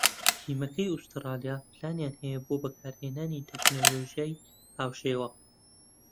تیمەکەی ئوسترالیا پلانیان هەیە بۆ بەکارهێنانی تەکنۆلۆژیای هاوشێوە